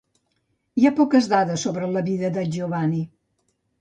Hi ha poques dades sobre la vida de Giovanni.